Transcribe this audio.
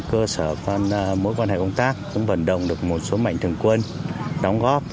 cơ sở mỗi quan hệ công tác cũng vận động được một số mạnh thường quân đóng góp